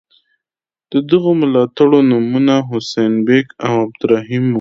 د دغو ملاتړو نومونه حسین بېګ او عبدالرحیم وو.